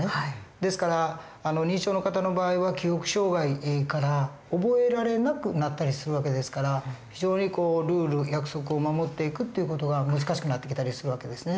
ですから認知症の方の場合は記憶障害から覚えられなくなったりする訳ですから非常にルール約束を守っていくっていう事が難しくなってきたりする訳ですね。